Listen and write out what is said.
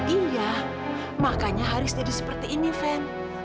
iya makanya haris jadi seperti ini fen